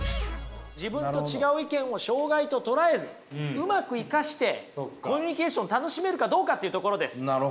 自分と違う意見を障害と捉えずうまく生かしてコミュニケーションを楽しめるかどうかというところです。